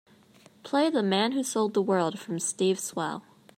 Play the man who sold the world from Steve Swell